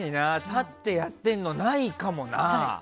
立ってやってるのないかもな。